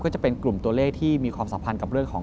ก็จะเป็นกลุ่มตัวเลขที่มีความสัมพันธ์กับเรื่องของ